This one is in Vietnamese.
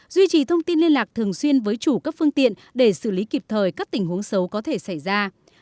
duy trì thông tin liên lạc thường xuyên với chủ các phương tiện để xử lý kịp thời các tình huống xấu có thể xảy ra